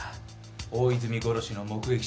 大泉殺しの目撃者